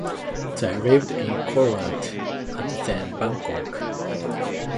They lived in Korat, and then Bangkok.